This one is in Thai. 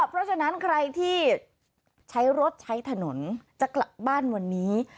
เพราะฉะนั้นใครที่ใช้รถใช้ถนนจะกลับบ้านวันนี้